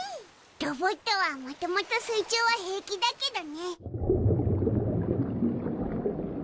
ロボットは元々水中は平気だけどね。